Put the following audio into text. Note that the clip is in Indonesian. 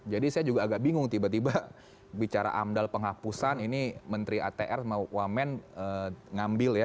jadi saya juga agak bingung tiba tiba bicara amdal penghapusan ini menteri atr mau wamen ngambil ya